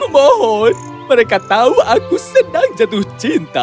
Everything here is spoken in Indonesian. mohon mereka tahu aku sedang jatuh cinta